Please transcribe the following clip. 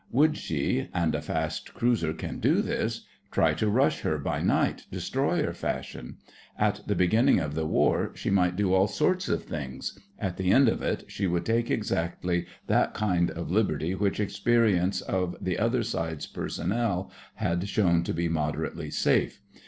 Would she—and a fast cruiser can do this—try to rush her by night, destroyer fashion? At the beginning of the war she might do all sorts of things; at the end of it she would take exactly that kind of liberty which experience of the other side's personnel had shown to be moderately safe.